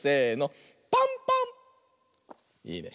いいね。